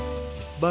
nah ini juga